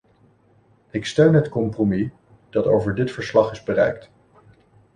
Ik steun het compromis dat over dit verslag is bereikt.